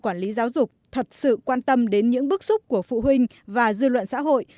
quản lý giáo dục thật sự quan tâm đến những bước xúc của phụ huynh và dư luận xã hội